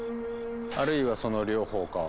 あるいはその両方か。